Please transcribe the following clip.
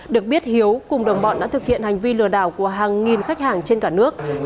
được biết hiếu cùng đồng bọn đã thực hiện hành vi lừa đảo của hàng nghìn khách hàng trên cả nước